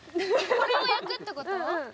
これを焼くってこと？